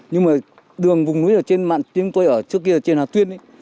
nhưng mà đường vùng núi ở trên mạng chúng tôi ở trước kia là trên hà tuyên ấy